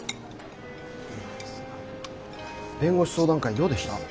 弁護士相談会どうでした？